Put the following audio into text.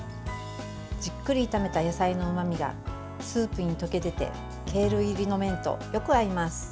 じっくり炒めた野菜のうまみがスープに溶け出てケール入りの麺とよく合います。